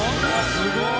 すごい！